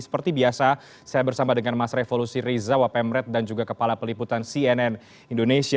seperti biasa saya bersama dengan mas revolusi riza wapemret dan juga kepala peliputan cnn indonesia